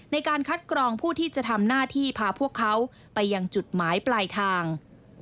ในการคัดกรองผู้ที่จะทำหน้าที่พาพวกเขาไปยังจุดหมายปลายทาง